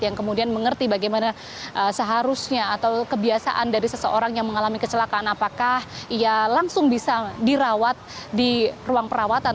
yang kemudian mengerti bagaimana seharusnya atau kebiasaan dari seseorang yang mengalami kecelakaan apakah ia langsung bisa dirawat di ruang perawatan